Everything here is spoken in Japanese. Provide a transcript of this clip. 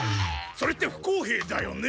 それって不公平だよね。